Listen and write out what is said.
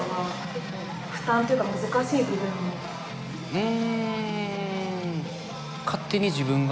うん。